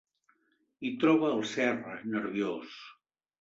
Hi troba el Serra, nerviós.